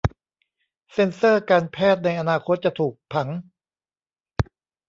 เซ็นเซอร์การแพทย์ในอนาคตจะถูกผัง